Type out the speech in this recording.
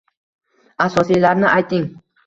Asosiylarini ayting?